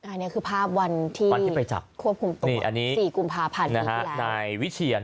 อันนี้คือภาพวันที่ควบคุมตัว๔กุมภาพันธ์ที่แรก